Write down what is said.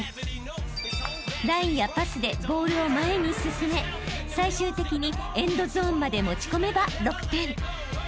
［ランやパスでボールを前に進め最終的にエンドゾーンまで持ち込めば６点］